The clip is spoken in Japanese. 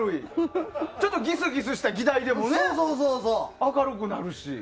ちょっとギスギスした議題でも明るくなるし。